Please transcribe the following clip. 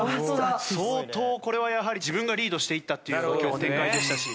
相当これはやはり自分がリードしていったっていう今日は展開でしたし。